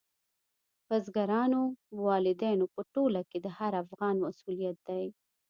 بزګرانو، والدینو په ټوله کې د هر افغان مسؤلیت دی.